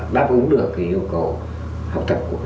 đáp ứng được cái yêu cầu học tập của cô cháu